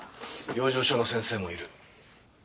養生所の先生もいる。